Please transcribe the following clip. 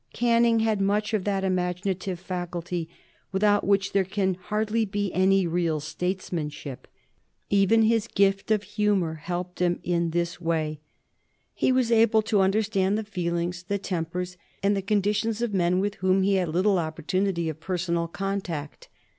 Canning had much of that imaginative faculty without which there can hardly be any real statesmanship. Even his gift of humor helped him in this way. He was able to understand the feelings, the tempers, and the conditions of men with whom he had little opportunity of personal contact.